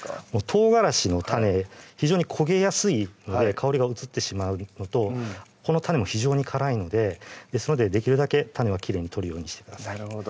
唐辛子の種非常に焦げやすいので香りが移ってしまうのとこの種も非常に辛いのでですのでできるだけ種はきれいに取るようにしてください